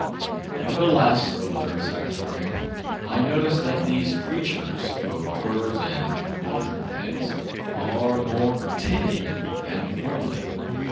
"Nevertheless," observed Cyrus Harding, "I notice that these creatures, both birds and quadrupeds, are more timid than formerly.